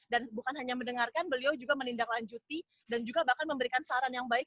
dan bukan hanya mendengarkan beliau juga menindaklanjuti dan juga bahkan memberikan saran yang baik